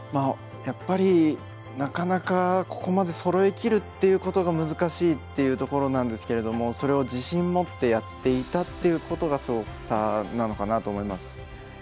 やっぱり、なかなか、ここまでそろえきるということが難しいっていうところなんですけれどもそれを自信を持ってやっていたということがすごさなのかなと思います。